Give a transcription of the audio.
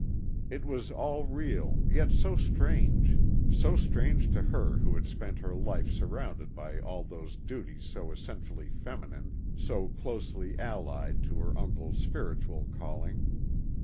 It was all real, yet so strange. So strange to her who had spent her life surrounded by all those duties so essentially feminine, so closely allied to her uncle's spiritual calling.